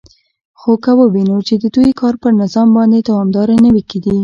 خو که ووینو چې د دوی کار پر نظام باندې دوامدارې نیوکې دي